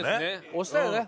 推したよね？